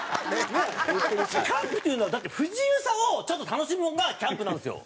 キャンプっていうのはだって不自由さをちょっと楽しむのがキャンプなんですよ。